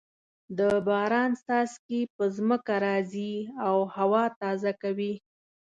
د باران څاڅکي په ځمکه راځې او هوا تازه کوي.